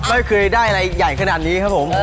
ไม่เคยได้อะไรใหญ่ขนาดนี้ครับผม